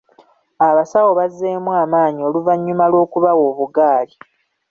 Abasawo bazzeemu amaanyi oluvannyuma lw'okubawa obuggaali.